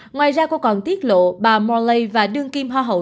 ngoài ra cô còn tiết lộ bà molay và đương kim hoa hậu